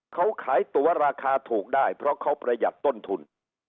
เขาขายตัวราคาถูกได้เพราะเขาประหยัดต้นทุน